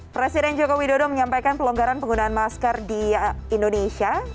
presiden joko widodo menyampaikan pelonggaran penggunaan masker di indonesia